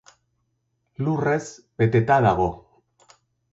Lurrez beteta dago.